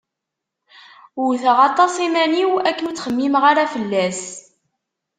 Wwteɣ aṭas iman-iw akken ur ttxemmimeɣ ara fell-as.